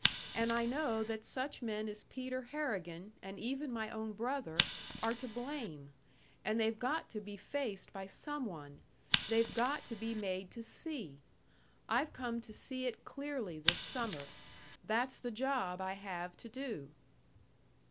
And I know that such men as Peter Harrigan, and even my own brother, are to blame! And they've got to be faced by some one they've got to be made to see! I've come to see it clearly this summer that's the job I have to do!"